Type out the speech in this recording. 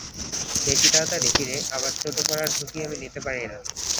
বেশি তাড়াতাড়ি ফিরে আবার চোটে পড়ার ঝুঁকি আমি নিতে পারি না।